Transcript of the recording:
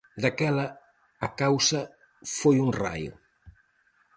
Daquela a causa foi un raio.